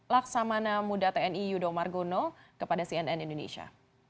laksamana muda tni yudho margono kepada cnn indonesia